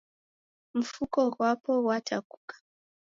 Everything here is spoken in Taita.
Mfuko ghwapo ghwatakuka